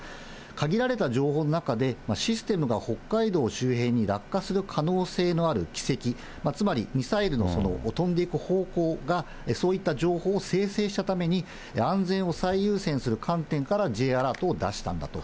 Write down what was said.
限られた情報の中で、システムが北海道周辺に落下する可能性のある軌跡、つまりミサイルの飛んでいく方向が、そういった情報を生成したために、安全を最優先する観点からＪアラートを出したんだと。